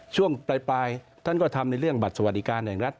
ช่วงปลายท่านก็ทำในเรื่องบัตรสวัสดิการแห่งรัฐ